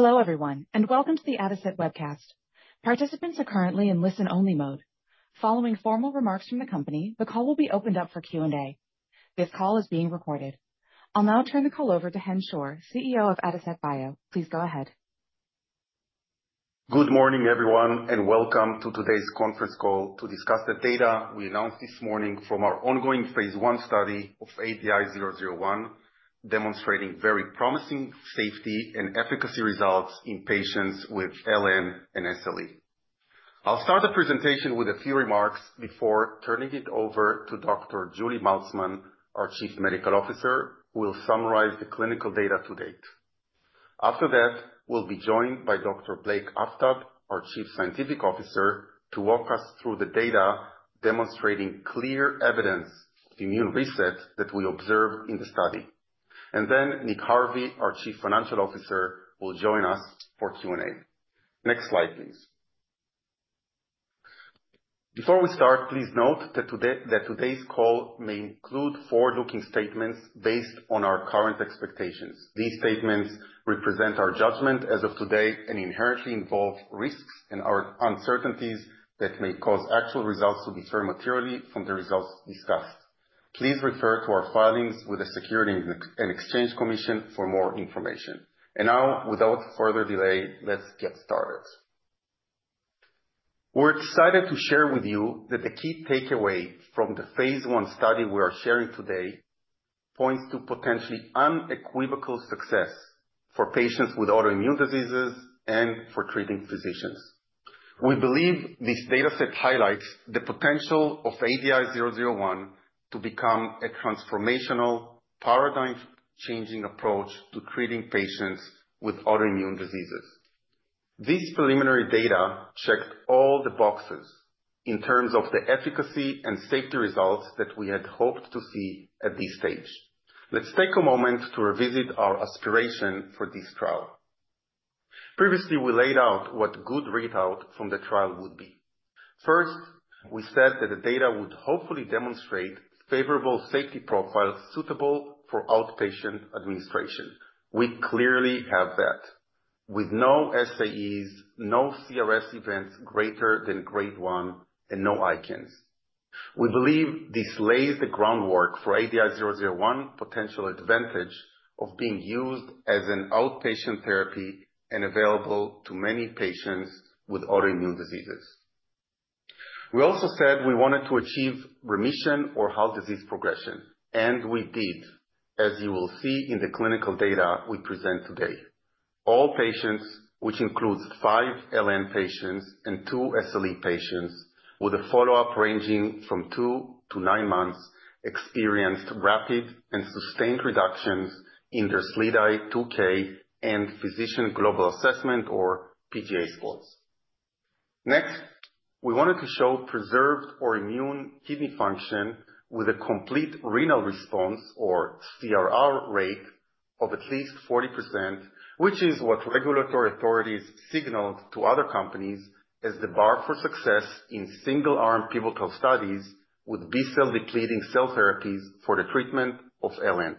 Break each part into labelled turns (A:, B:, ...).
A: Hello everyone, and welcome to the Adicet Webcast. Participants are currently in listen-only mode. Following formal remarks from the company, the call will be opened up for Q&A. This call is being recorded. I'll now turn the call over to Chen Schor, CEO of Adicet Bio. Please go ahead.
B: Good morning, everyone, and welcome to today's conference call to discuss the data we announced this morning from our Phase 1 study of ADI-001, demonstrating very promising safety and efficacy results in patients with LN and SLE. I'll start the presentation with a few remarks before turning it over to Dr. Julie Maltzman, our Chief Medical Officer, who will summarize the clinical data to date. After that, we'll be joined by Dr. Blake Aftab, our Chief Scientific Officer, to walk us through the data demonstrating clear evidence of immune reset that we observed in the study. And then Nick Harvey, our Chief Financial Officer, will join us for Q&A. Next slide, please. Before we start, please note that today's call may include forward-looking statements based on our current expectations. These statements represent our judgment as of today and inherently involve risks and uncertainties that may cause actual results to differ materially from the results discussed. Please refer to our filings with the Securities and Exchange Commission for more information. And now, without further delay, let's get started. We're excited to share with you that the key takeaway from Phase 1 study we are sharing today points to potentially unequivocal success for patients with autoimmune diseases and for treating physicians. We believe this dataset highlights the potential of ADI-001 to become a transformational, paradigm-changing approach to treating patients with autoimmune diseases. This preliminary data checked all the boxes in terms of the efficacy and safety results that we had hoped to see at this stage. Let's take a moment to revisit our aspiration for this trial. Previously, we laid out what good readout from the trial would be. First, we said that the data would hopefully demonstrate favorable safety profiles suitable for outpatient administration. We clearly have that, with no SAEs, no CRS events greater than grade one, and no ICANS. We believe this lays the groundwork for ADI-001's potential advantage of being used as an outpatient therapy and available to many patients with autoimmune diseases. We also said we wanted to achieve remission or halt disease progression, and we did, as you will see in the clinical data we present today. All patients, which includes five LN patients and two SLE patients with a follow-up ranging from two to nine months, experienced rapid and sustained reductions in their SLEDAI-2K and Physician Global Assessment, or PGA scores. Next, we wanted to show preserved or immune kidney function with a complete renal response, or CRR, rate of at least 40%, which is what regulatory authorities signaled to other companies as the bar for success in single-arm pivotal studies with B-cell-depleting cell therapies for the treatment of LN,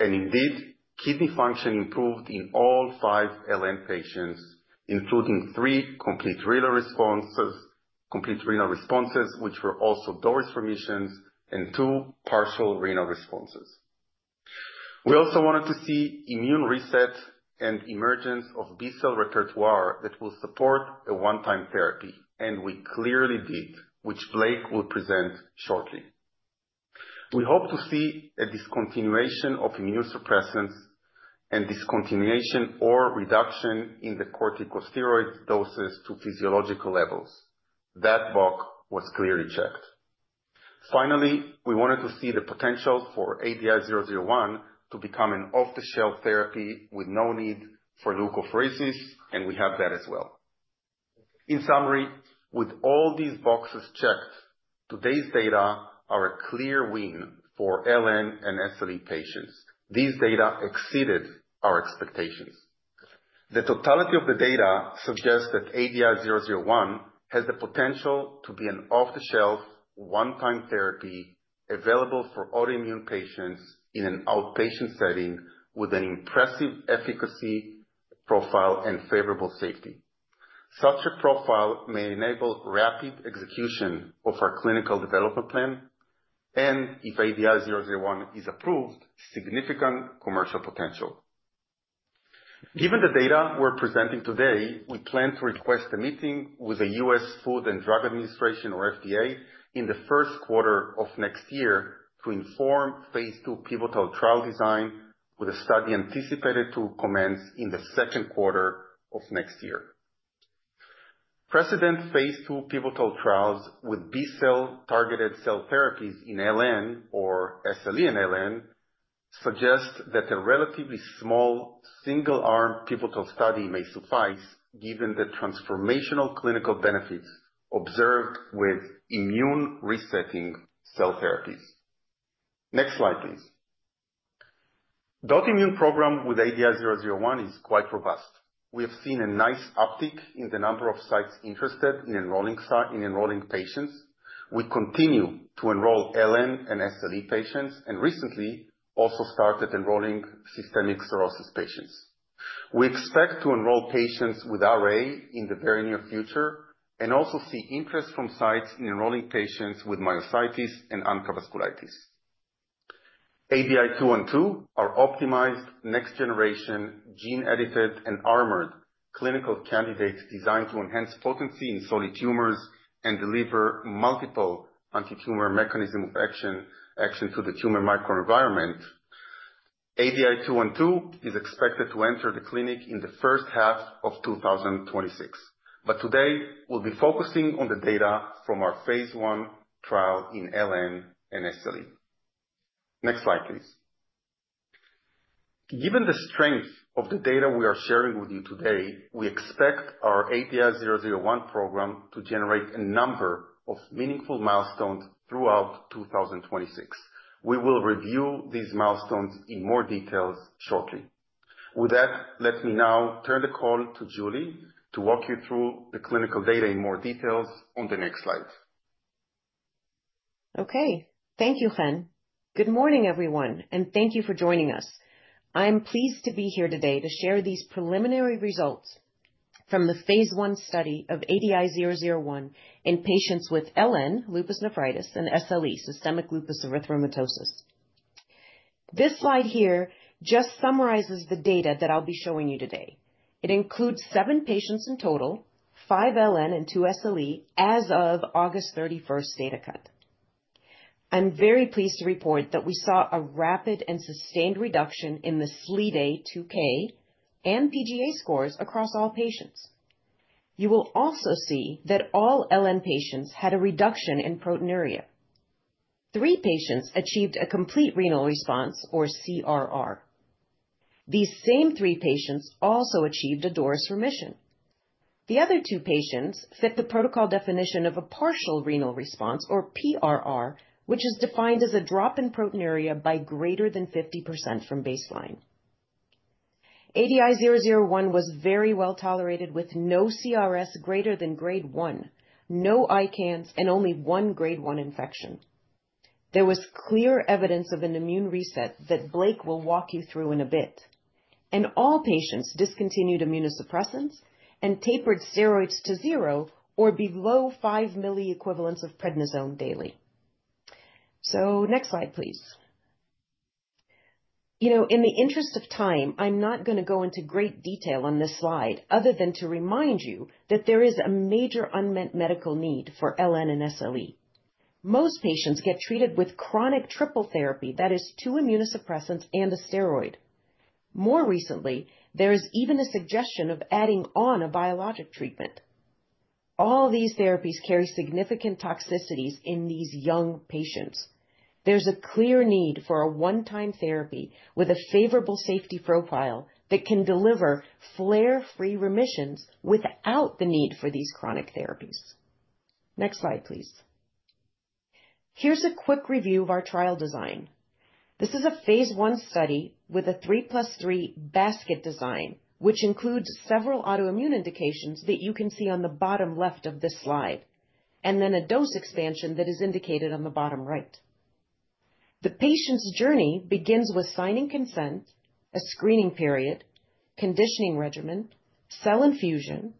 B: and indeed, kidney function improved in all five LN patients, including three complete renal responses, which were also DORIS remissions, and two partial renal responses. We also wanted to see immune reset and emergence of B-cell repertoire that will support a one-time therapy, and we clearly did, which Blake will present shortly. We hope to see a discontinuation of immunosuppressants and discontinuation or reduction in the corticosteroid doses to physiological levels. That box was clearly checked. Finally, we wanted to see the potential for ADI-001 to become an off-the-shelf therapy with no need for leukapheresis, and we have that as well. In summary, with all these boxes checked, today's data are a clear win for LN and SLE patients. These data exceeded our expectations. The totality of the data suggests that ADI-001 has the potential to be an off-the-shelf, one-time therapy available for autoimmune patients in an outpatient setting with an impressive efficacy profile and favorable safety. Such a profile may enable rapid execution of our clinical development plan, and if ADI-001 is approved, significant commercial potential. Given the data we're presenting today, we plan to request a meeting with the U.S. Food and Drug Administration, or FDA, in the first quarter of next year to inform Phase 2 pivotal trial design, with a study anticipated to commence in the second quarter of next year. Precedent Phase 2 pivotal trials with B-cell-targeted cell therapies in LN, or SLE in LN, suggest that a relatively small single-arm pivotal study may suffice given the transformational clinical benefits observed with immune-resetting cell therapies. Next slide, please. The autoimmune program with ADI-001 is quite robust. We have seen a nice uptick in the number of sites interested in enrolling patients. We continue to enroll LN and SLE patients and recently also started systemic sclerosis patients. We expect to enroll patients with RA in the very near future and also see interest from sites in enrolling patients with myositis and ANCA Vasculitis. ADI-212 are optimized next-generation gene-edited and armored clinical candidates designed to enhance potency in solid tumors and deliver multiple anti-tumor mechanisms of action to the tumor microenvironment. ADI-212 is expected to enter the clinic in the first half of 2026, but today we'll be focusing on the data from Phase 1 trial in LN and SLE. Next slide, please. Given the strength of the data we are sharing with you today, we expect our ADI-001 program to generate a number of meaningful milestones throughout 2026. We will review these milestones in more detail shortly. With that, let me now turn the call to Julie to walk you through the clinical data in more details on the next slide.
C: Okay, thank you, Chen. Good morning, everyone, and thank you for joining us. I'm pleased to be here today to share these preliminary results from Phase 1 study of ADI-001 in patients with LN, lupus nephritis, and SLE, systemic lupus erythematosus. This slide here just summarizes the data that I'll be showing you today. It includes seven patients in total, five LN and two SLE, as of August 31st data cut. I'm very pleased to report that we saw a rapid and sustained reduction in the SLEDAI-2K and PGA scores across all patients. You will also see that all LN patients had a reduction in proteinuria. Three patients achieved a complete renal response, or CRR. These same three patients also achieved a DORIS remission. The other two patients fit the protocol definition of a partial renal response, or PRR, which is defined as a drop in proteinuria by greater than 50% from baseline. ADI-001 was very well tolerated with no CRS greater than Grade 1, no ICANS, and only one Grade 1 infection. There was clear evidence of an immune reset that Blake will walk you through in a bit. And all patients discontinued immunosuppressants and tapered steroids to zero or below five milligram equivalents of Prednisone daily. So next slide, please. You know, in the interest of time, I'm not going to go into great detail on this slide other than to remind you that there is a major unmet medical need for LN and SLE. Most patients get treated with chronic triple therapy that is two immunosuppressants and a steroid. More recently, there is even a suggestion of adding on a biologic treatment. All these therapies carry significant toxicities in these young patients. There's a clear need for a one-time therapy with a favorable safety profile that can deliver flare-free remissions without the need for these chronic therapies. Next slide, please. Here's a quick review of our trial design. This is Phase 1 study with a three-plus-three basket design, which includes several autoimmune indications that you can see on the bottom left of this slide, and then a dose expansion that is indicated on the bottom right. The patient's journey begins with signing consent, a screening period, conditioning regimen, cell infusion,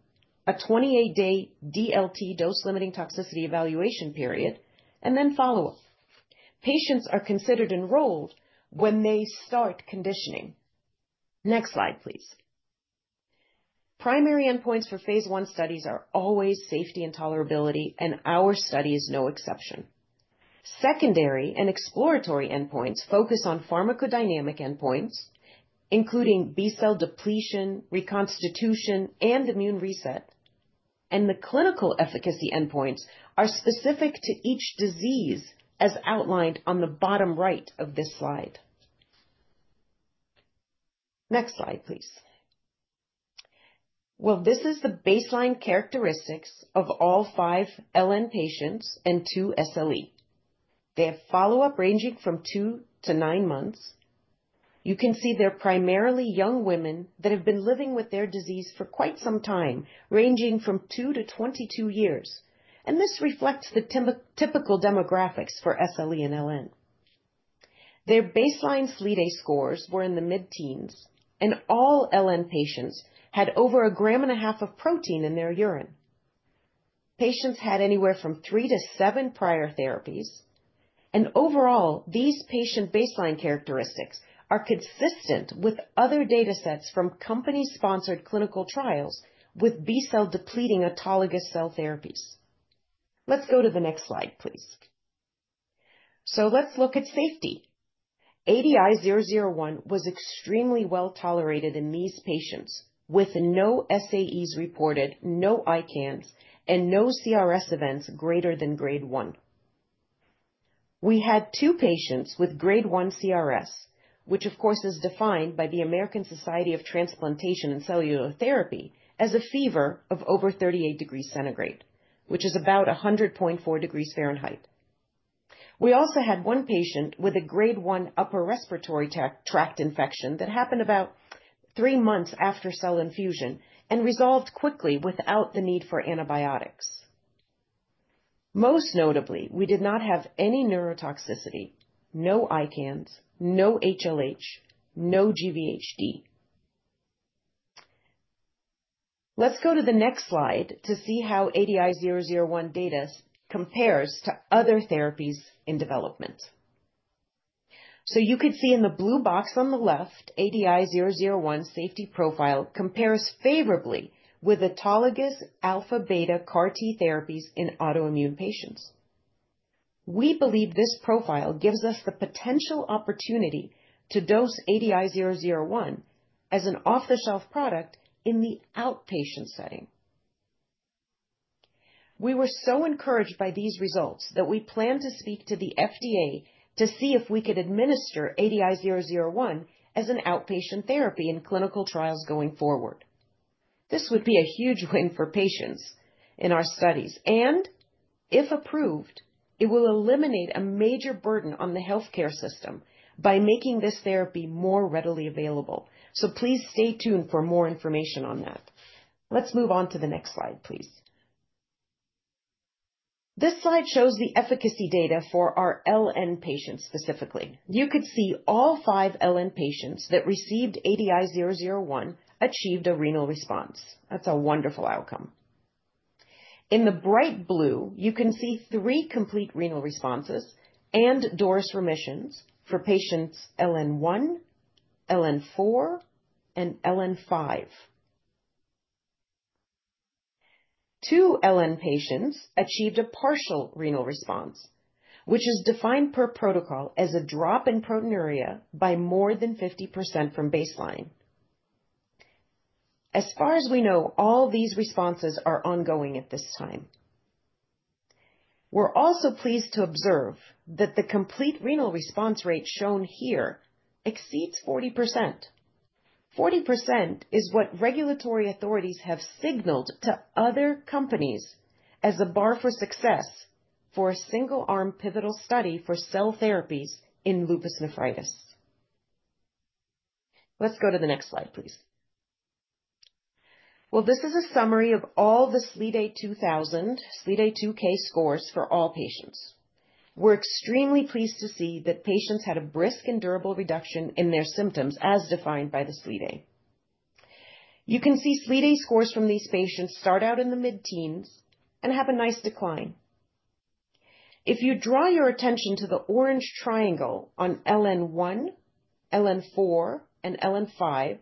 C: a 28-day DLT, dose-limiting toxicity evaluation period, and then follow-up. Patients are considered enrolled when they start conditioning. Next slide, please. Primary endpoints Phase 1 studies are always safety and tolerability, and our study is no exception. Secondary and exploratory endpoints focus on pharmacodynamic endpoints, including B-cell depletion, reconstitution, and immune reset, and the clinical efficacy endpoints are specific to each disease as outlined on the bottom right of this slide. Next slide, please. Well, this is the baseline characteristics of all five LN patients and two SLE. They have follow-up ranging from two to nine months. You can see they're primarily young women that have been living with their disease for quite some time, ranging from two to 22 years, and this reflects the typical demographics for SLE and LN. Their baseline SLEDAI scores were in the mid-teens, and all LN patients had over a gram and a half of protein in their urine. Patients had anywhere from three to seven prior therapies, and overall, these patient baseline characteristics are consistent with other datasets from company-sponsored clinical trials with B-cell-depleting autologous cell therapies. Let's go to the next slide, please. So let's look at safety. ADI-001 was extremely well tolerated in these patients, with no SAEs reported, no ICANS, and no CRS events greater than grade one. We had two patients with grade one CRS, which, of course, is defined by the American Society of Transplantation and Cellular Therapy as a fever of over 38°C, which is about 100.4°F. We also had one patient with a grade one upper respiratory tract infection that happened about three months after cell infusion and resolved quickly without the need for antibiotics. Most notably, we did not have any neurotoxicity, no ICANS, no HLH, no GVHD. Let's go to the next slide to see how ADI-001 data compares to other therapies in development. So, you could see in the blue box on the left, ADI-001 safety profile compares favorably with autologous alpha-beta CAR-T therapies in autoimmune patients. We believe this profile gives us the potential opportunity to dose ADI-001 as an off-the-shelf product in the outpatient setting. We were so encouraged by these results that we plan to speak to the FDA to see if we could administer ADI-001 as an outpatient therapy in clinical trials going forward. This would be a huge win for patients in our studies, and if approved, it will eliminate a major burden on the healthcare system by making this therapy more readily available. So please stay tuned for more information on that. Let's move on to the next slide, please. This slide shows the efficacy data for our LN patients specifically. You could see all five LN patients that received ADI-001 achieved a renal response. That's a wonderful outcome. In the bright blue, you can see three complete renal responses and DORIS remissions for patients LN1, LN4, and LN5. Two LN patients achieved a partial renal response, which is defined per protocol as a drop in proteinuria by more than 50% from baseline. As far as we know, all these responses are ongoing at this time. We're also pleased to observe that the complete renal response rate shown here exceeds 40%. 40% is what regulatory authorities have signaled to other companies as a bar for success for a single-arm pivotal study for cell therapies in lupus nephritis. Let's go to the next slide, please. Well, this is a summary of all the SLEDAI-2K scores for all patients. We're extremely pleased to see that patients had a brisk and durable reduction in their symptoms as defined by the SLEDAI. You can see SLEDAI scores from these patients start out in the mid-teens and have a nice decline. If you draw your attention to the orange triangle on LN1, LN4, and LN5,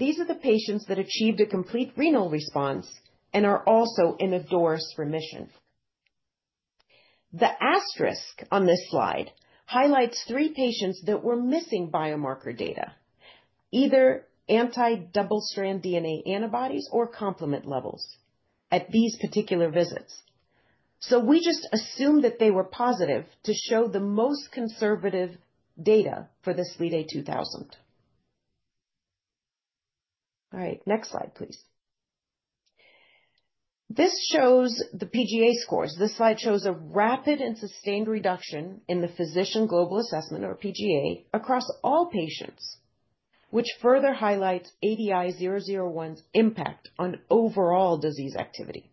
C: these are the patients that achieved a complete renal response and are also in a DORIS remission. The asterisk on this slide highlights three patients that were missing biomarker data, either anti-double-stranded DNA antibodies or complement levels at these particular visits. So we just assumed that they were positive to show the most conservative data for the SLEDAI 2000. All right, next slide, please. This shows the PGA scores. This slide shows a rapid and sustained reduction in the Physician Global Assessment, or PGA, across all patients, which further highlights ADI-001's impact on overall disease activity.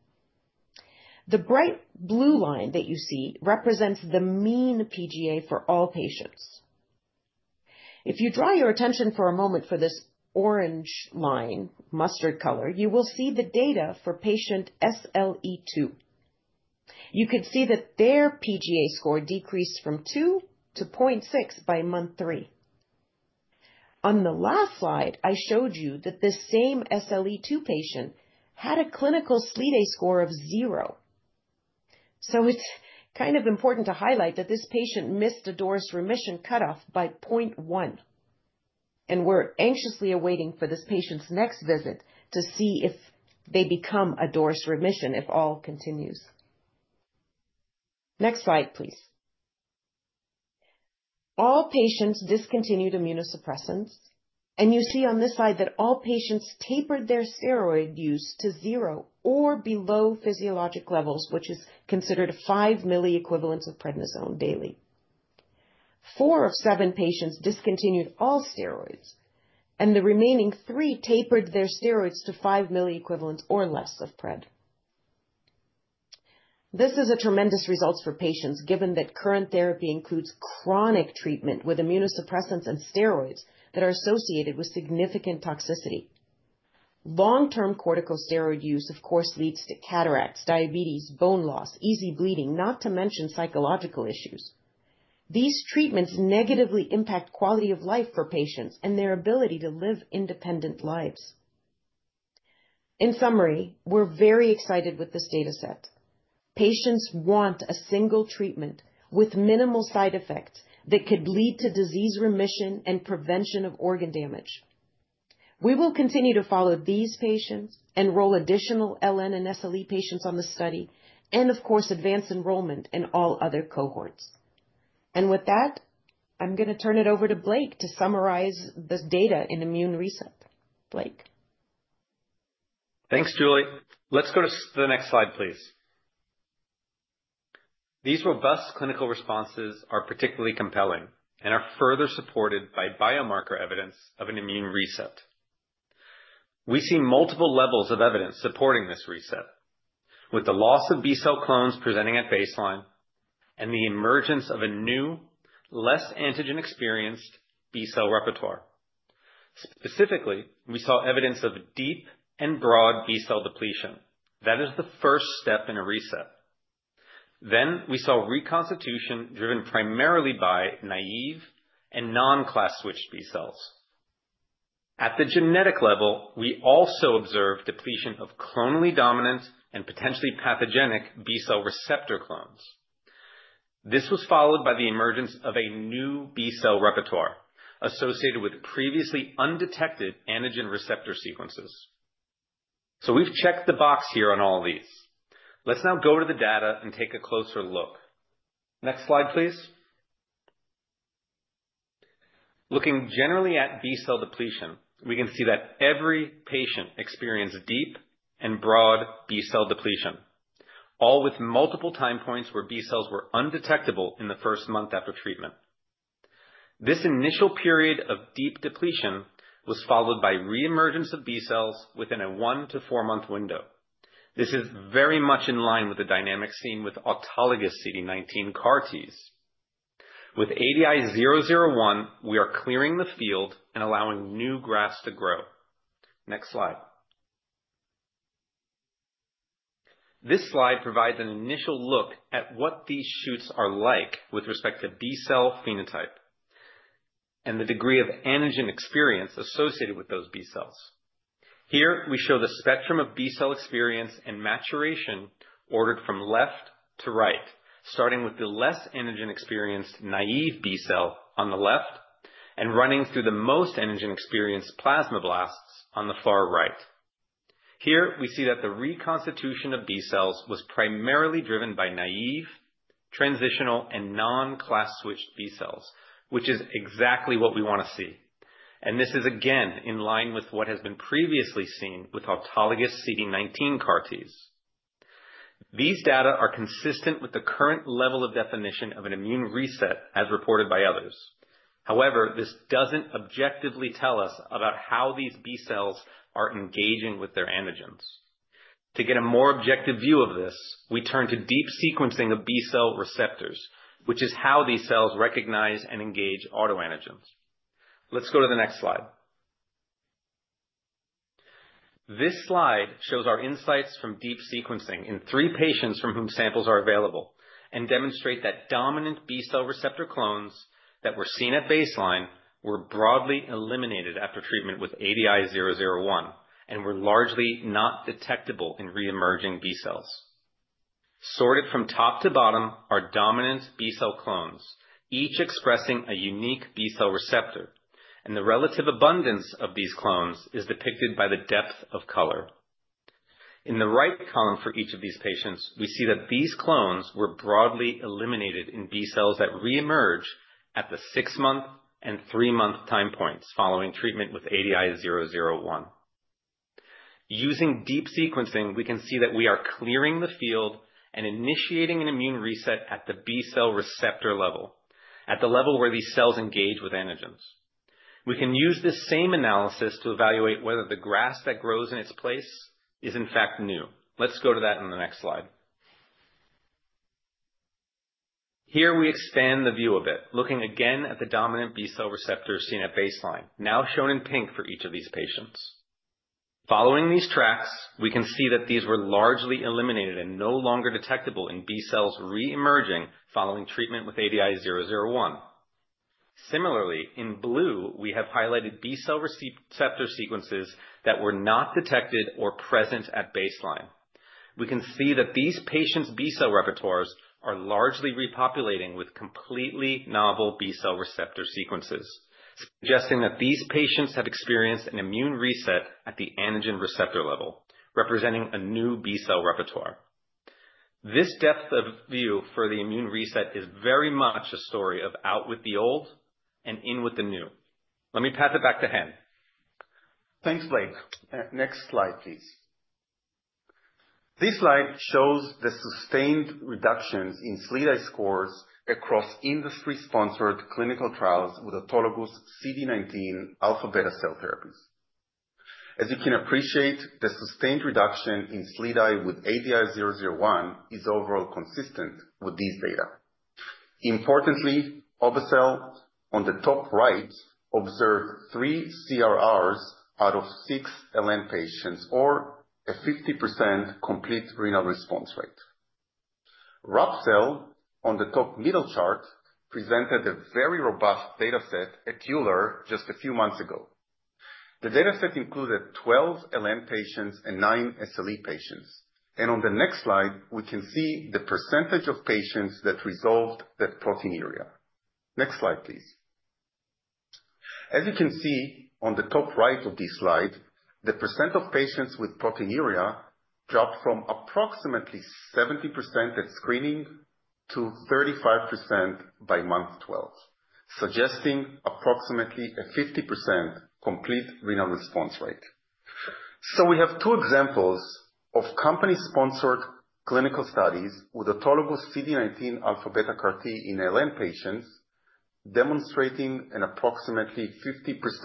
C: The bright blue line that you see represents the mean PGA for all patients. If you draw your attention for a moment for this orange line, mustard color, you will see the data for patient SLE2. You could see that their PGA score decreased from two to 0.6 by month three. On the last slide, I showed you that this same SLE2 patient had a clinical SLEDAI score of zero, so it's kind of important to highlight that this patient missed a DORIS remission cutoff by 0.1, and we're anxiously awaiting for this patient's next visit to see if they become a DORIS remission if all continues. Next slide, please. All patients discontinued immunosuppressants, and you see on this slide that all patients tapered their steroid use to zero or below physiologic levels, which is considered five milligram equivalents of Prednisone daily. Four of seven patients discontinued all steroids, and the remaining three tapered their steroids to five milligram equivalents or less of Pred. This is a tremendous result for patients given that current therapy includes chronic treatment with immunosuppressants and steroids that are associated with significant toxicity. Long-term corticosteroid use, of course, leads to cataracts, diabetes, bone loss, easy bleeding, not to mention psychological issues. These treatments negatively impact quality of life for patients and their ability to live independent lives. In summary, we're very excited with this dataset. Patients want a single treatment with minimal side effects that could lead to disease remission and prevention of organ damage. We will continue to follow these patients and enroll additional LN and SLE patients on the study, and of course, advance enrollment in all other cohorts. And with that, I'm going to turn it over to Blake to summarize the data in immune reset. Blake.
D: Thanks, Julie. Let's go to the next slide, please. These robust clinical responses are particularly compelling and are further supported by biomarker evidence of an immune reset. We see multiple levels of evidence supporting this reset, with the loss of B-cell clones presenting at baseline and the emergence of a new, less antigen-experienced B-cell repertoire. Specifically, we saw evidence of deep and broad B-cell depletion. That is the first step in a reset. Then we saw reconstitution driven primarily by naive and non-class switched B-cells. At the genetic level, we also observed depletion of clonally dominant and potentially pathogenic B-cell receptor clones. This was followed by the emergence of a new B-cell repertoire associated with previously undetected antigen receptor sequences. So we've checked the box here on all of these. Let's now go to the data and take a closer look. Next slide, please. Looking generally at B-cell depletion, we can see that every patient experienced deep and broad B-cell depletion, all with multiple time points where B-cells were undetectable in the first month after treatment. This initial period of deep depletion was followed by reemergence of B-cells within a one- to four-month window. This is very much in line with the dynamic seen with autologous CD19 CAR-Ts. With ADI-001, we are clearing the field and allowing new grafts to grow. Next slide. This slide provides an initial look at what these shoots are like with respect to B-cell phenotype and the degree of antigen experience associated with those B-cells. Here, we show the spectrum of B-cell experience and maturation ordered from left to right, starting with the less antigen-experienced naive B-cell on the left and running through the most antigen-experienced plasma blasts on the far right. Here, we see that the reconstitution of B-cells was primarily driven by naive, transitional, and non-class switched B-cells, which is exactly what we want to see. And this is again in line with what has been previously seen with autologous CD19 CAR-Ts. These data are consistent with the current level of definition of an immune reset as reported by others. However, this doesn't objectively tell us about how these B-cells are engaging with their antigens. To get a more objective view of this, we turn to deep sequencing of B-cell receptors, which is how these cells recognize and engage autoantigens. Let's go to the next slide. This slide shows our insights from deep sequencing in three patients from whom samples are available and demonstrate that dominant B-cell receptor clones that were seen at baseline were broadly eliminated after treatment with ADI-001 and were largely not detectable in reemerging B-cells. Sorted from top to bottom are dominant B-cell clones, each expressing a unique B-cell receptor, and the relative abundance of these clones is depicted by the depth of color. In the right column for each of these patients, we see that these clones were broadly eliminated in B-cells that reemerge at the six-month and three-month time points following treatment with ADI-001. Using deep sequencing, we can see that we are clearing the field and initiating an immune reset at the B-cell receptor level, at the level where these cells engage with antigens. We can use this same analysis to evaluate whether the grass that grows in its place is in fact new. Let's go to that on the next slide. Here, we expand the view a bit, looking again at the dominant B-cell receptors seen at baseline, now shown in pink for each of these patients. Following these tracks, we can see that these were largely eliminated and no longer detectable in B-cells reemerging following treatment with ADI-001. Similarly, in blue, we have highlighted B-cell receptor sequences that were not detected or present at baseline. We can see that these patients' B-cell repertoires are largely repopulating with completely novel B-cell receptor sequences, suggesting that these patients have experienced an immune reset at the antigen receptor level, representing a new B-cell repertoire. This depth of view for the immune reset is very much a story of out with the old and in with the new. Let me pass it back to Chen.
B: Thanks, Blake. Next slide, please. This slide shows the sustained reductions in SLEDAI scores across industry-sponsored clinical trials with autologous CD19 alpha-beta cell therapies. As you can appreciate, the sustained reduction in SLEDAI with ADI-001 is overall consistent with these data. Importantly, Obe-cel, on the top right, observed three CRRs out of six LN patients, or a 50% complete renal response rate. Rap-cel, on the top middle chart, presented a very robust dataset at EULAR just a few months ago. The dataset included 12 LN patients and nine SLE patients, and on the next slide, we can see the percentage of patients that resolved the proteinuria. Next slide, please. As you can see on the top right of this slide, the percent of patients with proteinuria dropped from approximately 70% at screening to 35% by month 12, suggesting approximately a 50% complete renal response rate, so we have two examples of company-sponsored clinical studies with autologous CD19 alpha-beta CAR-T in LN patients demonstrating an approximately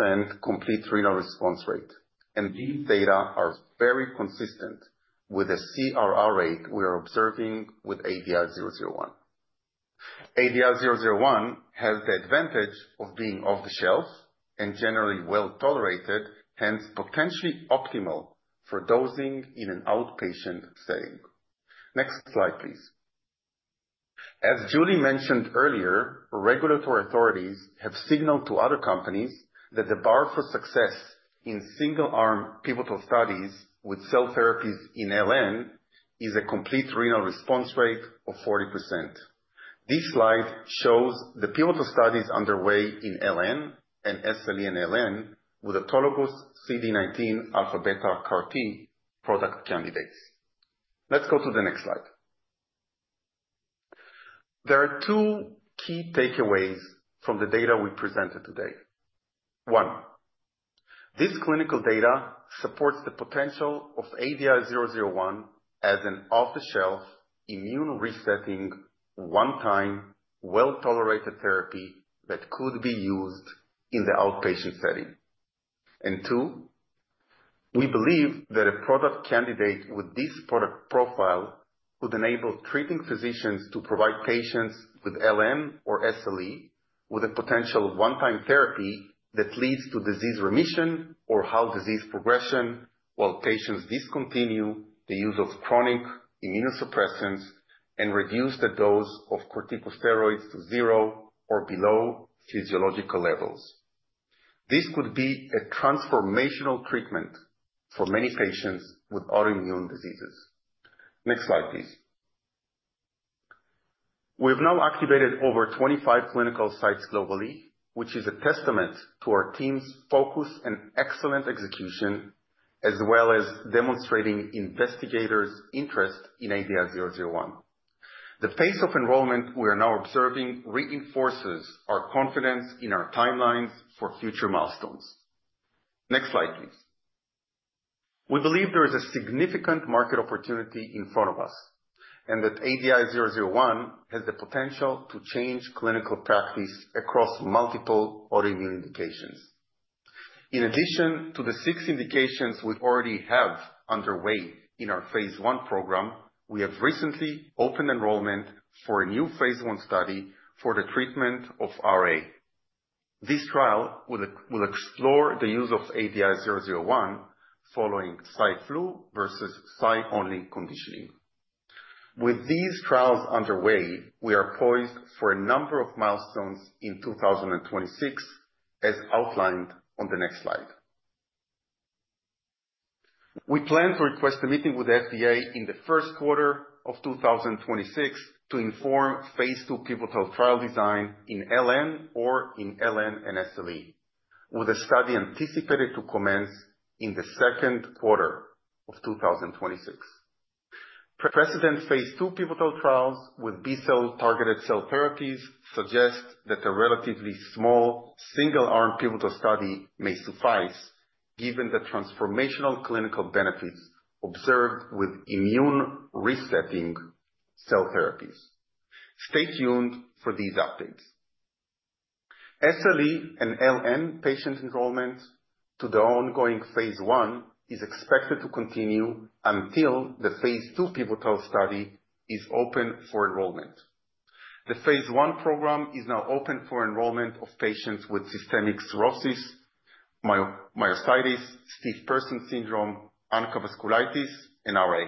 B: 50% complete renal response rate, and these data are very consistent with the CRR rate we are observing with ADI-001. ADI-001 has the advantage of being off the shelf and generally well tolerated, hence potentially optimal for dosing in an outpatient setting. Next slide, please. As Julie mentioned earlier, regulatory authorities have signaled to other companies that the bar for success in single-arm pivotal studies with cell therapies in LN is a complete renal response rate of 40%. This slide shows the pivotal studies underway in LN and SLE and LN with autologous CD19 alpha-beta CAR-T product candidates. Let's go to the next slide. There are two key takeaways from the data we presented today. One, this clinical data supports the potential of ADI-001 as an off-the-shelf immune resetting, one-time, well-tolerated therapy that could be used in the outpatient setting. And two, we believe that a product candidate with this product profile could enable treating physicians to provide patients with LN or SLE with a potential one-time therapy that leads to disease remission or halt disease progression while patients discontinue the use of chronic immunosuppressants and reduce the dose of corticosteroids to zero or below physiological levels. This could be a transformational treatment for many patients with autoimmune diseases. Next slide, please. We have now activated over 25 clinical sites globally, which is a testament to our team's focus and excellent execution, as well as demonstrating investigators' interest in ADI-001. The pace of enrollment we are now observing reinforces our confidence in our timelines for future milestones. Next slide, please. We believe there is a significant market opportunity in front of us and that ADI-001 has the potential to change clinical practice across multiple autoimmune indications. In addition to the six indications we already have underway in our phase one program, we have recently opened enrollment for a new phase one study for the treatment of RA. This trial will explore the use of ADI-001 following Cy/Flu versus Cy only Conditioning. With these trials underway, we are poised for a number of milestones in 2026, as outlined on the next slide. We plan to request a meeting with the FDA in the first quarter of 2026 to inform phase two pivotal trial design in LN or in LN and SLE, with a study anticipated to commence in the second quarter of 2026. Precedent phase two pivotal trials with B-cell targeted cell therapies suggest that a relatively small single-arm pivotal study may suffice given the transformational clinical benefits observed with immune resetting cell therapies. Stay tuned for these updates. SLE and LN patient enrollment to the ongoing phase one is expected to continue until the phase two pivotal study is open for enrollment. The phase one program is now open for enrollment of with systemic sclerosis, myositis, Stiff Person Syndrome, ANCA Vasculitis, and RA.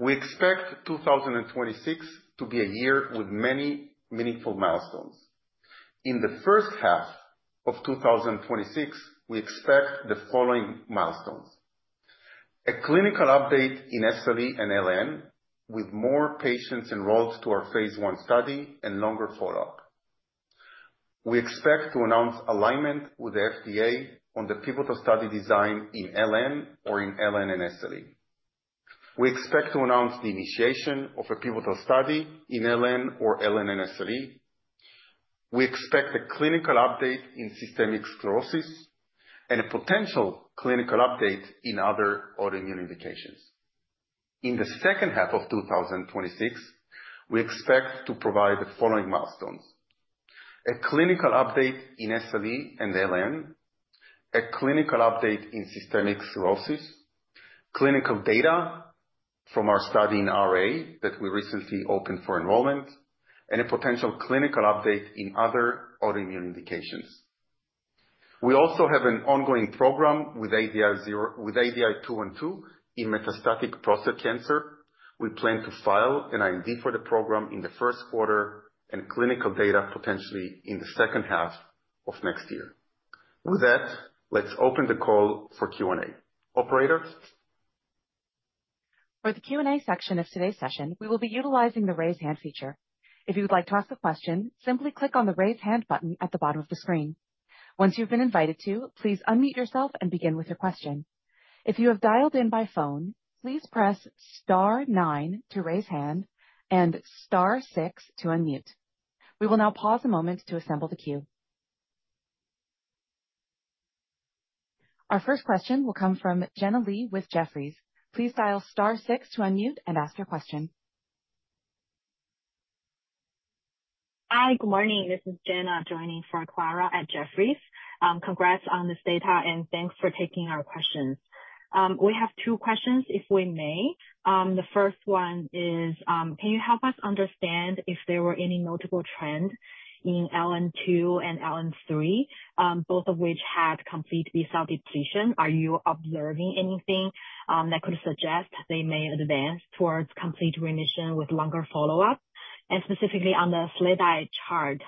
B: We expect 2026 to be a year with many meaningful milestones. In the first half of 2026, we expect the following milestones: a clinical update in SLE and LN with more patients enrolled to our phase one study and longer follow-up. We expect to announce alignment with the FDA on the pivotal study design in LN or in LN and SLE. We expect to announce the initiation of a pivotal study in LN or LN and SLE. We expect a clinical update systemic sclerosis and a potential clinical update in other autoimmune indications. In the second half of 2026, we expect to provide the following milestones: a clinical update in SLE and LN, a clinical update systemic sclerosis, clinical data from our study in RA that we recently opened for enrollment, and a potential clinical update in other autoimmune indications. We also have an ongoing program with ADI-212 in metastatic prostate cancer. We plan to file an IND for the program in the first quarter and clinical data potentially in the second half of next year. With that, let's open the call for Q&A. Operator.
A: For the Q&A section of today's session, we will be utilizing the raise hand feature. If you would like to ask a question, simply click on the raise hand button at the bottom of the screen. Once you've been invited to, please unmute yourself and begin with your question. If you have dialed in by phone, please press star nine to raise hand and star six to unmute. We will now pause a moment to assemble the queue. Our first question will come from Jenna Li with Jefferies. Please dial star six to unmute and ask your question.
E: Hi, good morning. This is Jenna joining for Clara at Jefferies. Congrats on this data and thanks for taking our questions. We have two questions, if we may. The first one is, can you help us understand if there were any notable trends in LN2 and LN3, both of which had complete B-cell depletion? Are you observing anything that could suggest they may advance towards complete remission with longer follow-up? And specifically on the SLEDAI chart,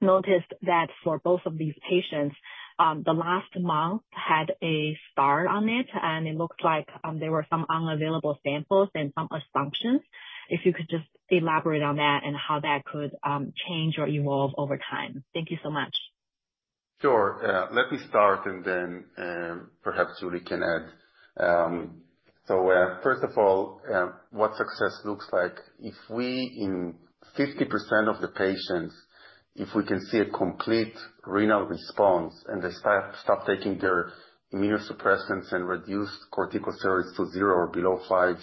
E: noticed that for both of these patients, the last month had a star on it, and it looks like there were some unavailable samples and some assumptions. If you could just elaborate on that and how that could change or evolve over time. Thank you so much.
B: Sure. Let me start and then perhaps Julie can add. So first of all, what success looks like? If we in 50% of the patients, if we can see a complete renal response and they stop taking their immunosuppressants and reduce corticosteroids to zero or below five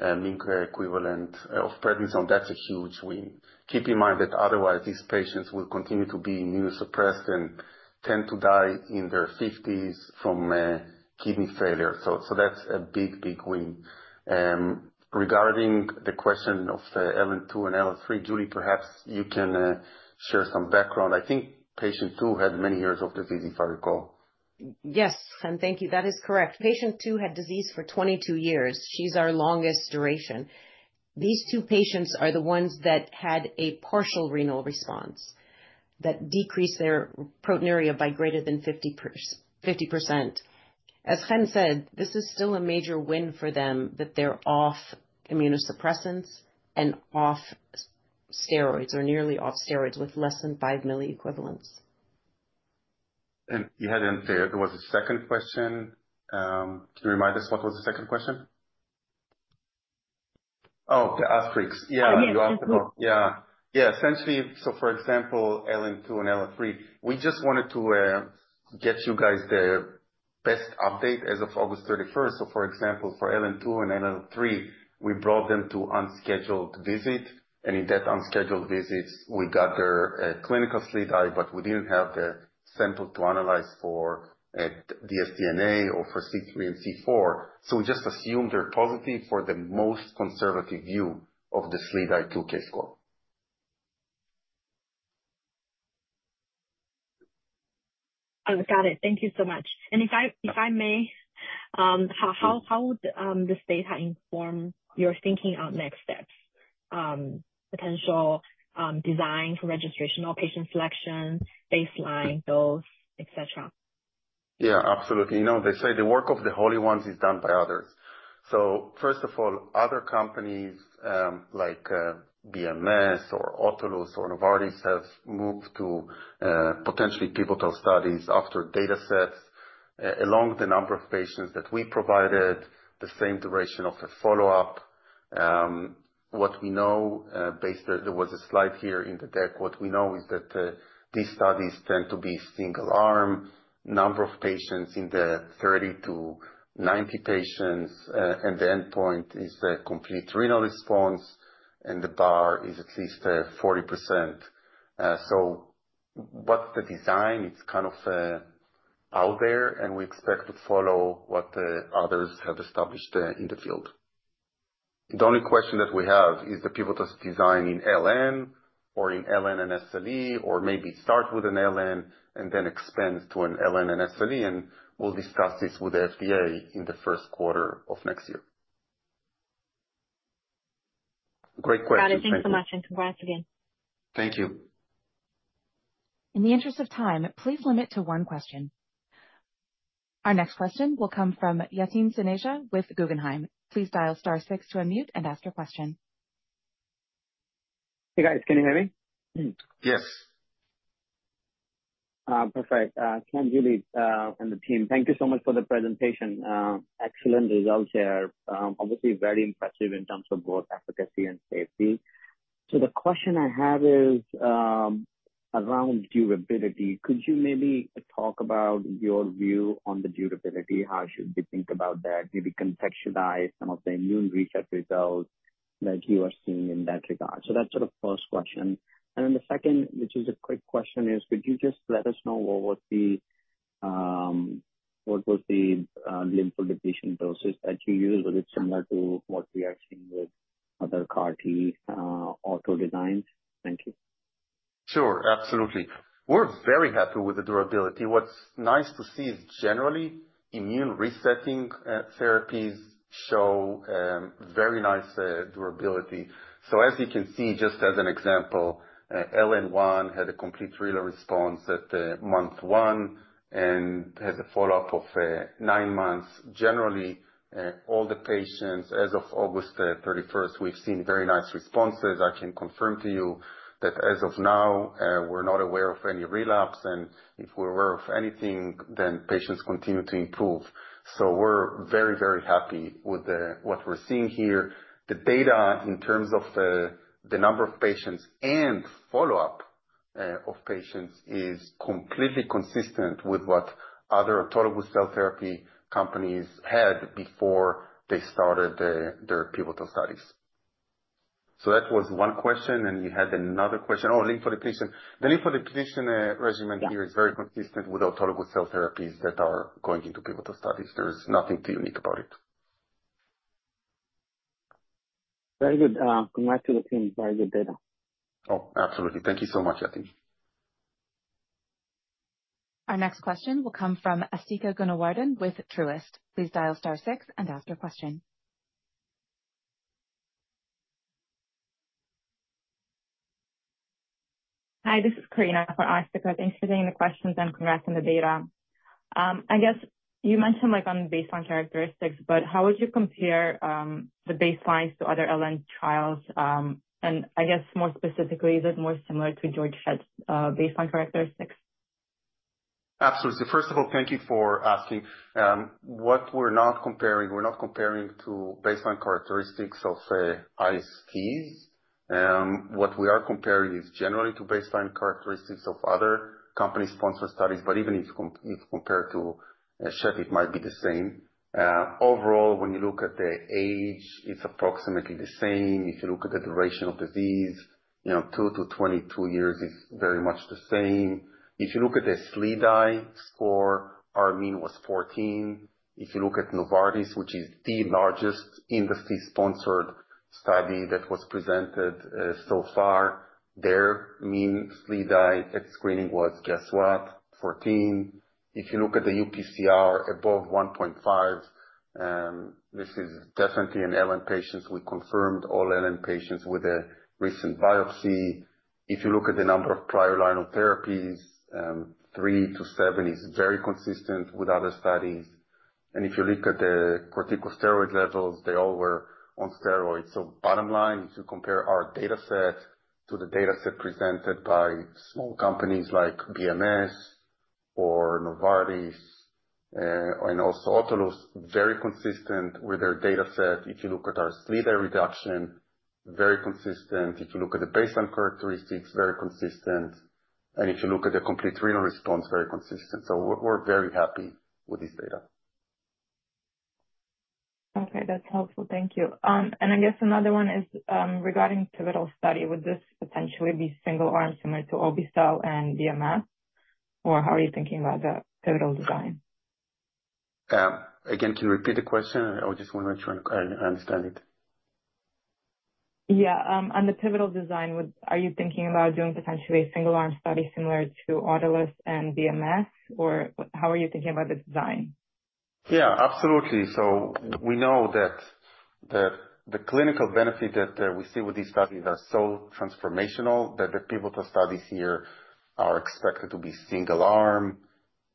B: mg equivalent of Prednisone, that's a huge win. Keep in mind that otherwise these patients will continue to be immunosuppressed and tend to die in their 50s from kidney failure. So that's a big, big win. Regarding the question of LN2 and LN3, Julie, perhaps you can share some background. I think patient two had many years of disease, if I recall.
C: Yes, Chen, thank you. That is correct. Patient two had disease for 22 years. She's our longest duration. These two patients are the ones that had a partial renal response that decreased their proteinuria by greater than 50%. As Chen said, this is still a major win for them that they're off immunosuppressants and off steroids or nearly off steroids with less than five milligram equivalents.
B: You hadn't said there was a second question. Can you remind us what was the second question? Oh, the asterisk. Yeah, you asked about. Yeah. Yeah, essentially, so for example, LN2 and LN3, we just wanted to get you guys the best update as of August 31st. So for example, for LN2 and LN3, we brought them to unscheduled visit. And in that unscheduled visit, we got their clinical SLEDAI, but we didn't have the sample to analyze for dsDNA or for C3 and C4, so we just assumed they're positive for the most conservative view of the SLEDAI-2K score.
E: I've got it. Thank you so much, and if I may, how would this data inform your thinking on next steps, potential design for registration, patient selection, baseline dose, etc.?
B: Yeah, absolutely. You know, they say the work of the holy ones is done by others, so first of all, other companies like BMS or Autolus or Novartis have moved to potentially pivotal studies after datasets along the number of patients that we provided, the same duration of a follow-up. What we know, based there was a slide here in the deck, what we know is that these studies tend to be single-arm, number of patients in the 30-90 patients, and the endpoint is a complete renal response, and the bar is at least 40%. So what's the design? It's kind of out there, and we expect to follow what others have established in the field. The only question that we have is the pivotal design in LN or in LN and SLE, or maybe start with an LN and then expand to an LN and SLE, and we'll discuss this with the FDA in the first quarter of next year. Great question.
E: Got it. Thanks so much, and congrats again.
B: Thank you.
A: In the interest of time, please limit to one question. Our next question will come from Yatin Suneja with Guggenheim. Please dial star six to unmute and ask your question.
F: Hey guys, can you hear me?
B: Yes.
F: Perfect. Can Julie and the team? Thank you so much for the presentation. Excellent results here. Obviously, very impressive in terms of both efficacy and safety. So the question I have is around durability. Could you maybe talk about your view on the durability? How should we think about that? Maybe contextualize some of the immune research results that you are seeing in that regard. So that's sort of the first question. And then the second, which is a quick question, is could you just let us know what was the lymphodepletion doses that you use? Was it similar to what we are seeing with other CAR-T auto designs? Thank you.
B: Sure, absolutely. We're very happy with the durability. What's nice to see is generally immune resetting therapies show very nice durability. As you can see, just as an example, LN1 had a complete renal response at month one and has a follow-up of nine months. Generally, all the patients as of August 31st, we've seen very nice responses. I can confirm to you that as of now, we're not aware of any relapse. If we're aware of anything, then patients continue to improve. We're very, very happy with what we're seeing here. The data in terms of the number of patients and follow-up of patients is completely consistent with what other autologous cell therapy companies had before they started their pivotal studies. That was one question, and you had another question. Oh, lymphodepletion. The lymphodepletion regimen here is very consistent with autologous cell therapies that are going into pivotal studies. There is nothing too unique about it.
F: Very good. Congrats to the team for the data.
B: Oh, absolutely. Thank you so much, Yatin.
A: Our next question will come from Asthika Goonewardene with Truist. Please dial star six and ask your question.
G: Hi, this is Karina for Asthika. Thanks for taking the questions and congrats on the data. I guess you mentioned like on baseline characteristics, but how would you compare the baselines to other LN trials? And I guess more specifically, is it more similar to GSK's baseline characteristics?
B: Absolutely. So first of all, thank you for asking. What we're not comparing, we're not comparing to baseline characteristics of ISTs. What we are comparing is generally to baseline characteristics of other company-sponsored studies, but even if compared to GSK, it might be the same. Overall, when you look at the age, it's approximately the same. If you look at the duration of disease, you know, two to 22 years is very much the same. If you look at the SLEDAI score, our mean was 14. If you look at Novartis, which is the largest industry-sponsored study that was presented so far, their mean SLEDAI at screening was, guess what, 14. If you look at the UPCR above 1.5, this is definitely an LN patient. We confirmed all LN patients with a recent biopsy. If you look at the number of prior line therapies, 3-7 is very consistent with other studies, and if you look at the corticosteroid levels, they all were on steroids. So bottom line, if you compare our dataset to the dataset presented by small companies like BMS or Novartis and also Autolus, very consistent with their dataset. If you look at our SLEDAI reduction, very consistent. If you look at the baseline characteristics, very consistent, and if you look at the complete renal response, very consistent. So we're very happy with this data.
G: Okay, that's helpful. Thank you. And I guess another one is regarding pivotal study. Would this potentially be single-arm similar to obe-cel and BMS? Or how are you thinking about the pivotal design?
B: Again, can you repeat the question? I just want to make sure I understand it.
G: Yeah. On the pivotal design, are you thinking about doing potentially a single-arm study similar to Autolus and BMS? Or how are you thinking about the design?
B: Yeah, absolutely. So we know that the clinical benefit that we see with these studies are so transformational that the pivotal studies here are expected to be single-arm,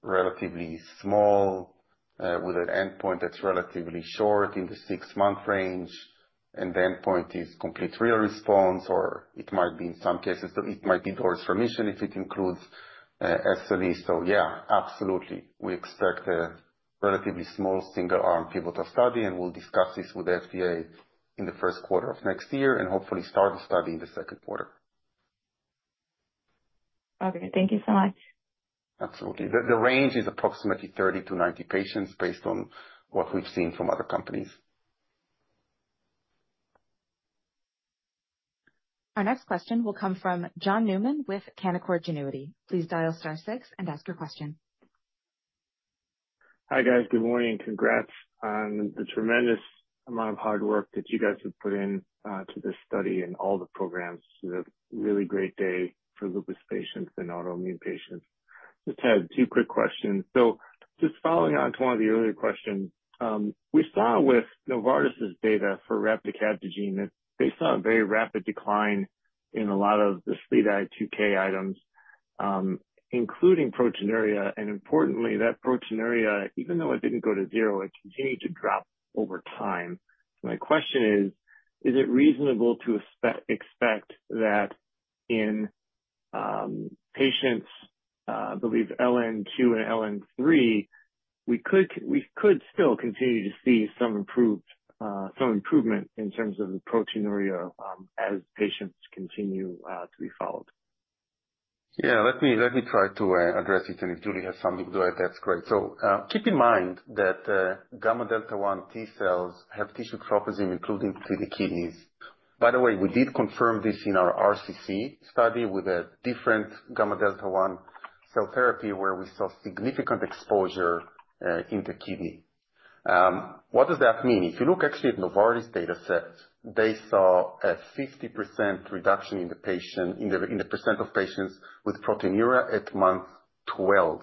B: relatively small, with an endpoint that's relatively short in the six-month range. And the endpoint is complete renal response, or it might be in some cases, it might be DORIS remission if it includes SLE. So yeah, absolutely. We expect a relatively small single-arm pivotal study, and we'll discuss this with the FDA in the first quarter of next year and hopefully start the study in the second quarter.
G: Okay, thank you so much.
B: Absolutely. The range is approximately 30-90 patients based on what we've seen from other companies.
A: Our next question will come from John Newman with Canaccord Genuity. Please dial star six and ask your question.
H: Hi guys, good morning. Congrats on the tremendous amount of hard work that you guys have put into this study and all the programs. It's a really great day for lupus patients and autoimmune patients. Just had two quick questions. So just following on to one of the earlier questions, we saw with Novartis's data for rapcabtagene, they saw a very rapid decline in a lot of the SLEDAI-2K items, including proteinuria. Importantly, that proteinuria, even though it didn't go to zero, it continued to drop over time. My question is, is it reasonable to expect that in patients, I believe LN2 and LN3, we could still continue to see some improvement in terms of the proteinuria as patients continue to be followed?
B: Yeah, let me try to address it. If Julie has something to add, that's great. Keep in mind that gamma delta 1 T cells have tissue tropism, including to the kidneys. By the way, we did confirm this in our RCC study with a different gamma delta 1 T cell therapy where we saw significant exposure in the kidney. What does that mean? If you look actually at Novartis datasets, they saw a 50% reduction in the percent of patients with proteinuria at month 12.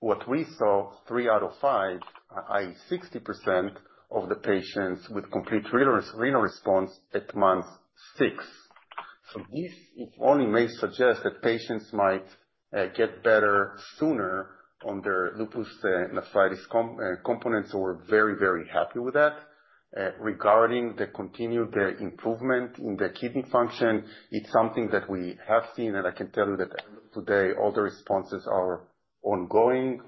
B: What we saw, three out of five, i.e., 60% of the patients with complete renal response at month six. So this only may suggest that patients might get better sooner on their lupus nephritis components, or very, very happy with that. Regarding the continued improvement in the kidney function, it's something that we have seen, and I can tell you that today all the responses are ongoing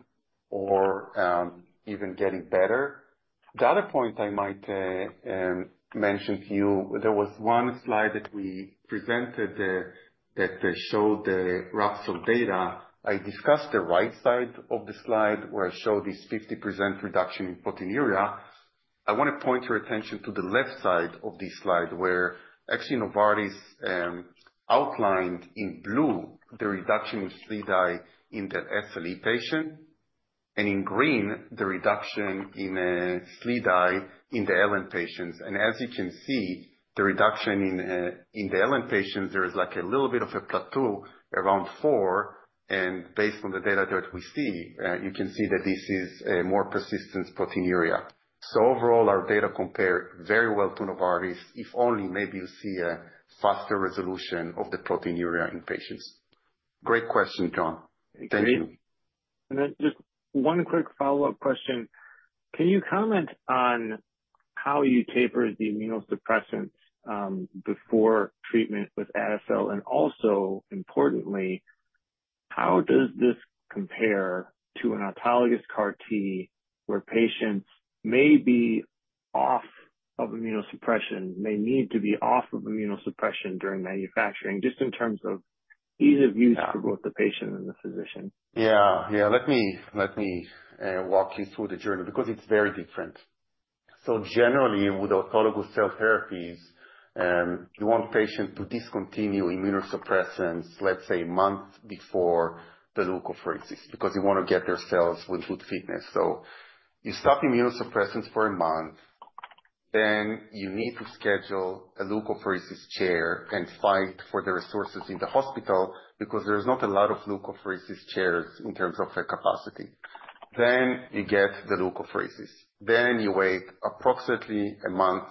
B: or even getting better. The other point I might mention to you, there was one slide that we presented that showed the Rapso data. I discussed the right side of the slide where I showed this 50% reduction in proteinuria. I want to point your attention to the left side of the slide where actually Novartis outlined in blue the reduction with SLEDAI in the SLE patient, and in green, the reduction in SLEDAI in the LN patients. And as you can see, the reduction in the LN patients, there is like a little bit of a plateau around four. And based on the data that we see, you can see that this is a more persistent proteinuria. So overall, our data compare very well to Novartis, if only maybe you see a faster resolution of the proteinuria in patients. Great question, John. Thank you.
H: And then just one quick follow-up question. Can you comment on how you taper the immunosuppressants before treatment with ADI-001? And also importantly, how does this compare to an autologous CAR-T where patients may be off of immunosuppression, may need to be off of immunosuppression during manufacturing, just in terms of ease of use for both the patient and the physician?
B: Yeah, yeah. Let me walk you through the journey because it's very different. So generally, with autologous cell therapies, you want patients to discontinue immunosuppressants, let's say months before the leukapheresis because you want to get their cells with good fitness. So you stop immunosuppressants for a month, then you need to schedule a leukapheresis chair and fight for the resources in the hospital because there's not a lot of leukapheresis chairs in terms of capacity. Then you get the leukapheresis. Then you wait approximately a month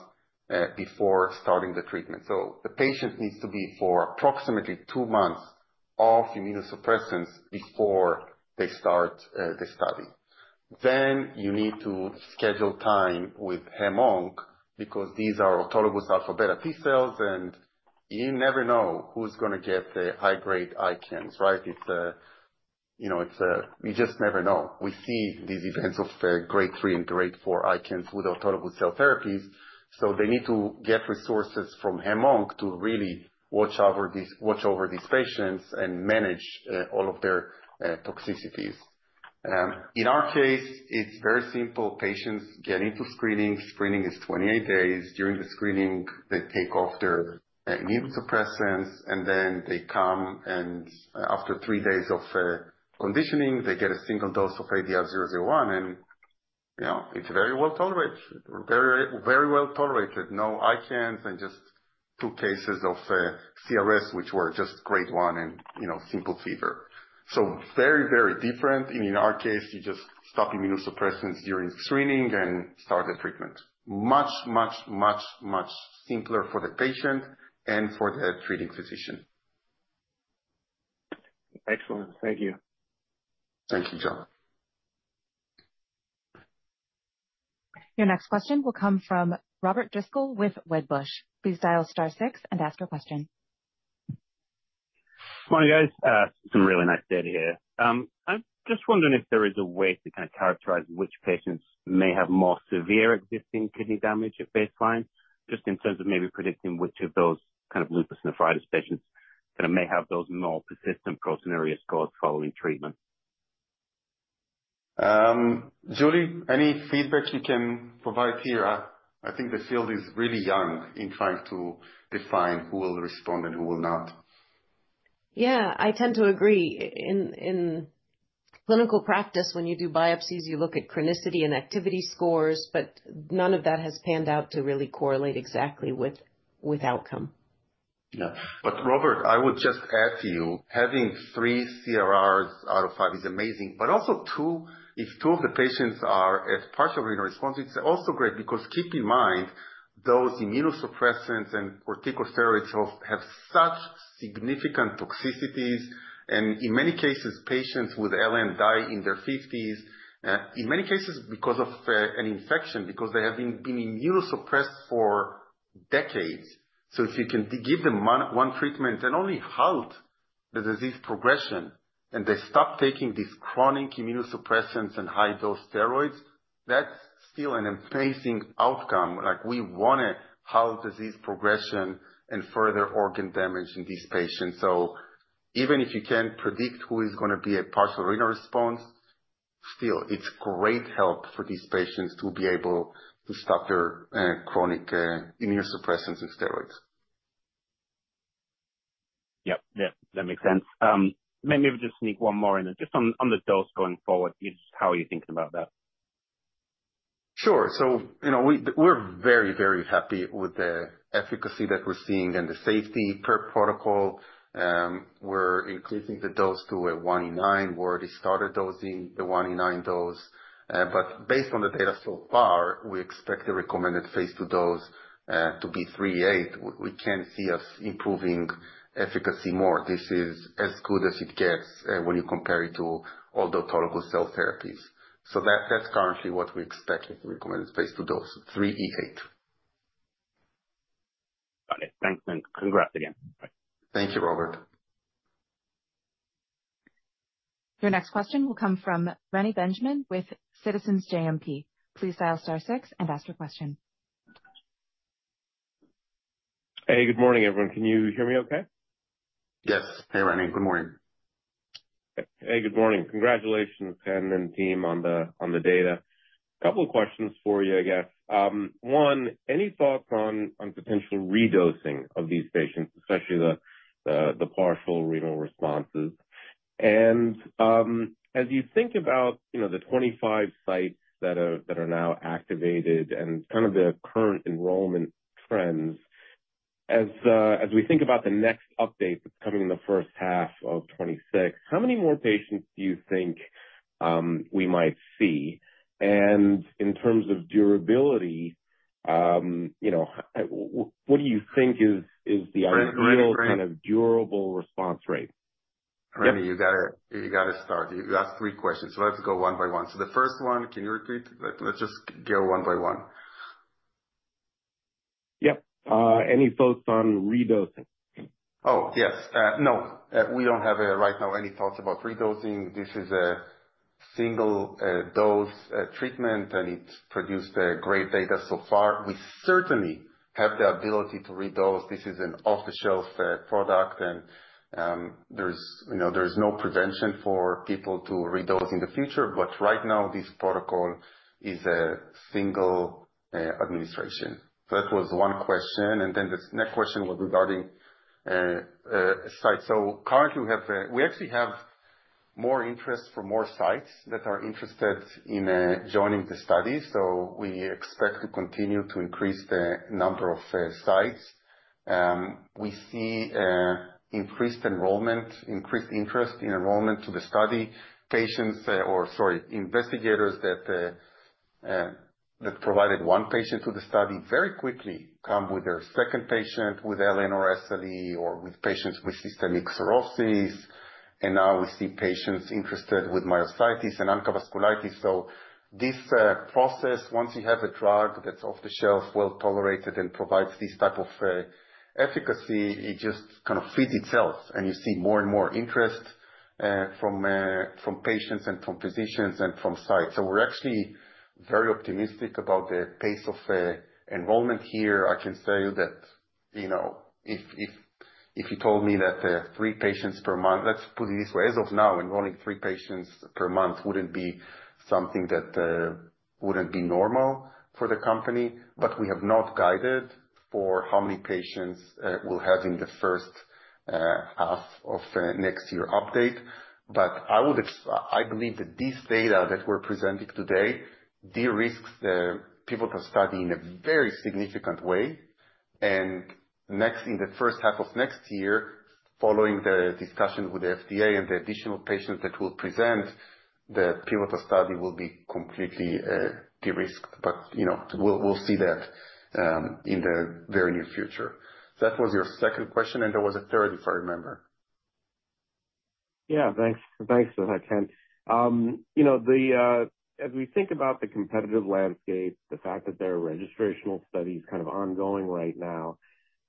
B: before starting the treatment. So the patient needs to be for approximately two months off immunosuppressants before they start the study. Then you need to schedule time with HemOnc because these are autologous alpha beta T cells, and you never know who's going to get the high-grade ICANS, right? It's a, you know, it's a, you just never know. We see these events of grade three and grade four ICANS with autologous cell therapies. So they need to get resources from HemOnc to really watch over these patients and manage all of their toxicities. In our case, it's very simple. Patients get into screening. Screening is 28 days. During the screening, they take off their immunosuppressants, and then they come, and after three days of conditioning, they get a single dose of ADI-001, and you know, it's very well tolerated. Very, very well tolerated. No ICANS and just two cases of CRS, which were just grade one and, you know, simple fever. So very, very different. And in our case, you just stop immunosuppressants during screening and start the treatment. Much, much, much, much simpler for the patient and for the treating physician.
H: Excellent. Thank you.
B: Thank you, John.
A: Your next question will come from Robert Driscoll with Wedbush. Please dial star six and ask your question.
I: Morning, guys. Some really nice data here. I'm just wondering if there is a way to kind of characterize which patients may have more severe existing kidney damage at baseline, just in terms of maybe Predicting which of those kind of lupus nephritis patients kind of may have those more persistent proteinuria scores following treatment.
B: Julie, any feedback you can provide here? I think the field is really young in trying to define who will respond and who will not.
C: Yeah, I tend to agree. In clinical practice, when you do biopsies, you look at chronicity and activity scores, but none of that has panned out to really correlate exactly with outcome.
B: Yeah. But Robert, I would just add to you, having three CRRs out of five is amazing. But also two, if two of the patients are at partial renal response, it's also great because keep in mind those immunosuppressants and corticosteroids have such significant toxicities. And in many cases, patients with LN die in their 50s, in many cases because of an infection, because they have been immunosuppressed for decades. So if you can give them one treatment and only halt the disease progression and they stop taking these chronic immunosuppressants and high-dose steroids, that's still an amazing outcome. Like we want to halt disease progression and further organ damage in these patients. So even if you can Predict who is going to be a partial renal response, still, it's great help for these patients to be able to stop their chronic immunosuppressants and steroids.
I: Yep, yep. That makes sense. Maybe just sneak one more in. Just on the dose going forward, how are you thinking about that?
B: Sure. So, you know, we're very, very happy with the efficacy that we're seeing and the safety per protocol. We're increasing the dose to a 1E9. We already started dosing the 1E9 dose. But based on the data so far, we expect the recommended phase two dose to be 38. We can see us improving efficacy more. This is as good as it gets when you compare it to all the autologous cell therapies. So that's currently what we expect with the recommended phase two dose, 38.
I: Got it. Thanks, and congrats again.
B: Thank you, Robert.
A: Your next question will come from Reni Benjamin with Citizens JMP. Please dial star six and ask your question.
J: Hey, good morning, everyone. Can you hear me okay?
B: Yes. Hey, Reni. Good morning.
J: Hey, good morning. Congratulations to Chen and team on the data. A couple of questions for you, I guess. One, any thoughts on potential redosing of these patients, especially the partial renal responses? And as you think about the 25 sites that are now activated and kind of the current enrollment trends, as we think about the next update that's coming in the first half of 2026, how many more patients do you think we might see? And in terms of durability, what do you think is the ideal kind of durable response rate?
B: Reni, you got to start. You asked three questions, so let's go one by one. So the first one, can you repeat? Let's just go one by one.
J: Yep. Any thoughts on redosing?
B: Oh, yes. No, we don't have right now any thoughts about redosing. This is a single-dose treatment, and it's produced great data so far. We certainly have the ability to redose. This is an off-the-shelf product, and there's no prevention for people to redose in the future. But right now, this protocol is a single administration. So that was one question. And then the next question was regarding sites. So currently, we actually have more interest from more sites that are interested in joining the study. So we expect to continue to increase the number of sites. We see increased enrollment, increased interest in enrollment to the study. Patients, or sorry, investigators that provided one patient to the study very quickly come with their second patient with LN or SLE or with patients systemic sclerosis. and now we see patients interested with myositis and ANCA Vasculitis. So this process, once you have a drug that's off the shelf, well tolerated, and provides this type of efficacy, it just kind of feeds itself. And you see more and more interest from patients and from physicians and from sites. So we're actually very optimistic about the pace of enrollment here. I can tell you that, you know, if you told me that three patients per month, let's put it this way, as of now, enrolling three patients per month wouldn't be something that wouldn't be normal for the company. But we have not guided for how many patients we'll have in the first half of next year's update. But I believe that this data that we're presenting today de-risks the pivotal study in a very significant way. And next, in the first half of next year, following the discussion with the FDA and the additional patients that will present, the pivotal study will be completely de-risked. But, you know, we'll see that in the very near future. So that was your second question, and there was a third, if I remember.
J: Yeah, thanks. Thanks for the attempt. You know, as we think about the competitive landscape, the fact that there are registrational studies kind of ongoing right now,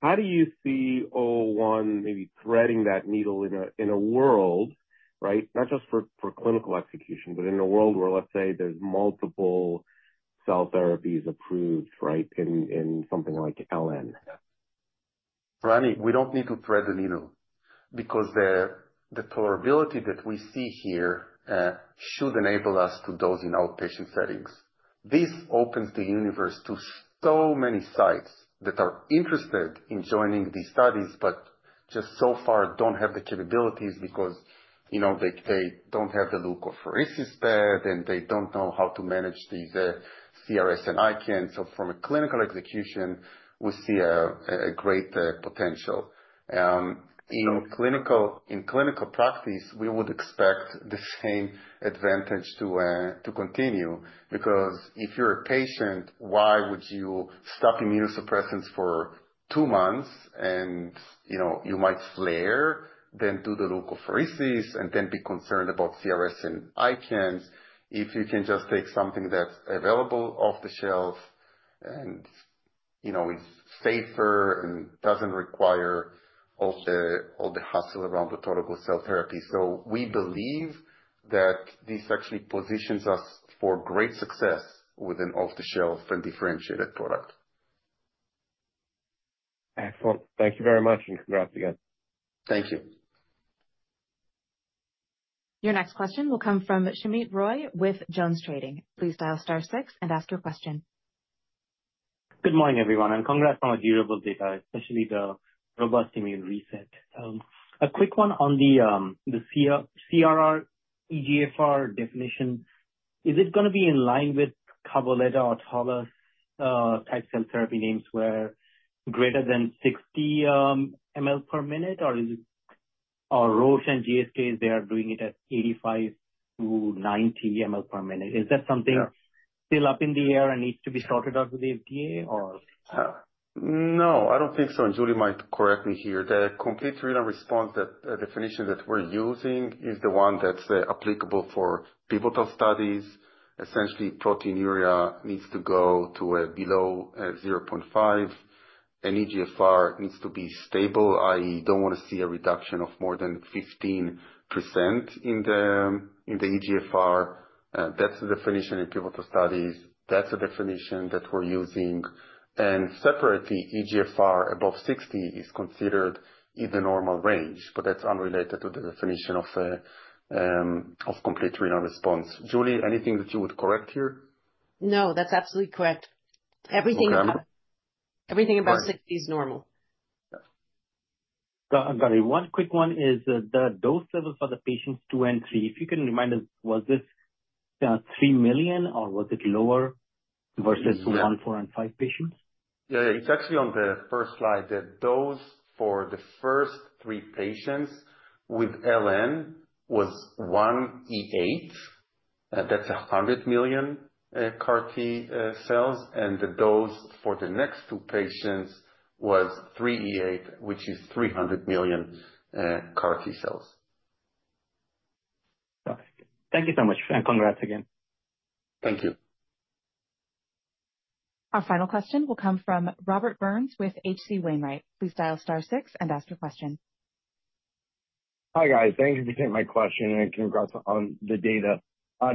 J: how do you see ADI-001 maybe threading that needle in a world, right, not just for clinical execution, but in a world where, let's say, there's multiple cell therapies approved, right, in something like LN?
B: Reni, we don't need to thread the needle because the tolerability that we see here should enable us to dose in outpatient settings. This opens the universe to so many sites that are interested in joining these studies, but just so far don't have the capabilities because, you know, they don't have the leukapheresis bed, and they don't know how to manage these CRS and ICANS. So from a clinical execution, we see a great potential. In clinical practice, we would expect the same advantage to continue because if you're a patient, why would you stop immunosuppressants for two months? And, you know, you might flare, then do the leukapheresis, and then be concerned about CRS and ICANS if you can just take something that's available off the shelf and, you know, is safer and doesn't require all the hustle around the autologous cell therapy. So we believe that this actually positions us for great success with an off-the-shelf and differentiated product.
J: Excellent. Thank you very much, and congrats again.
B: Thank you.
A: Your next question will come from Soumit Roy with JonesTrading. Please dial star six and ask your question. Good morning, everyone, and congrats on the durable data, especially the robust immune reset. A quick one on the CRR eGFR definition. Is it going to be in line with Cabaletta or Autolus type cell therapy names where greater than 60 mL/min, or is it Roche and GSK, they are doing it at 85-90 mL/min? Is that something still up in the air and needs to be sorted out with the FDA, or?
B: No, I don't think so. And Julie might correct me here. The complete renal response, that definition that we're using, is the one that's applicable for pivotal studies. Essentially, proteinuria needs to go to below 0.5, and eGFR needs to be stable. I don't want to see a reduction of more than 15% in the eGFR. That's the definition in pivotal studies. That's the definition that we're using. And separately, eGFR above 60 is considered in the normal range, but that's unrelated to the definition of complete renal response. Julie, anything that you would correct here?
C: No, that's absolutely correct. Everything above 60 is normal.
K: I'm sorry. One quick one is the dose level for the patients two and three. If you can remind us, was this three million, or was it lower versus one, four, and five patients?
B: Yeah, yeah. It's actually on the first slide. The dose for the first three patients with LN was 1E8. That's 100 million CAR T cells. And the dose for the next two patients was 3E8, which is 300 million CAR T cells.
K: Got it. Thank you so much, and congrats again.
B: Thank you. Our final question will come from Robert Burns with H.C. Wainwright. Please dial star six and ask your question.
L: Hi, guys. Thank you for taking my question, and congrats on the data.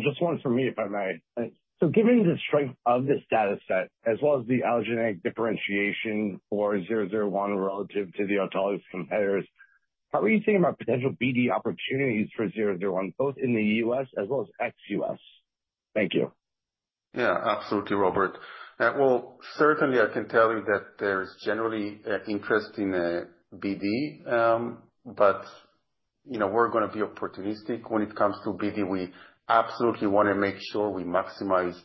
L: Just one from me, if I may. So given the strength of the data set, as well as the allogeneic differentiation for 001 relative to the autologous competitors, how are you seeing potential BD opportunities for 001, both in the U.S. as well as ex-U.S.? Thank you.
B: Yeah, absolutely, Robert. Well, certainly, I can tell you that there is generally interest in BD, but, you know, we're going to be opportunistic when it comes to BD. We absolutely want to make sure we maximize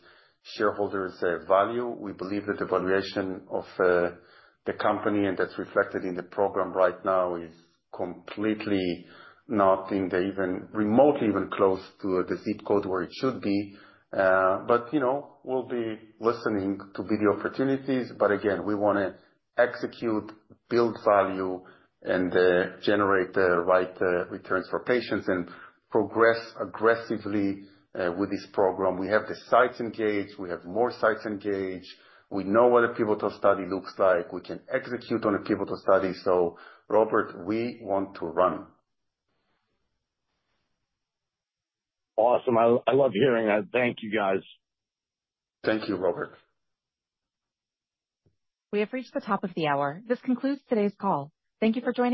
B: shareholders' value. We believe that the valuation of the company, and that's reflected in the program right now, is completely not even remotely close to the zip code where it should be. But, you know, we'll be listening to BD opportunities. But again, we want to execute, build value, and generate the right returns for patients and progress aggressively with this program. We have the sites engaged. We have more sites engaged. We know what a pivotal study looks like. We can execute on a pivotal study. So, Robert, we want to run.
L: Awesome. I love hearing that. Thank you, guys.
B: Thank you, Robert.
A: We have reached the top of the hour. This concludes today's call. Thank you for joining.